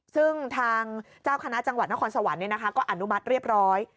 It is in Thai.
ซึ่งทางเจ้าคณะจังหวัดณสวรรค์เนี่ยนะคะก็อนุมัติเรียบร้อย